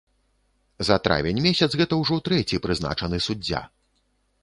За травень месяц гэта ўжо трэці прызначаны суддзя.